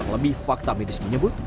lebih fakta medis menyebut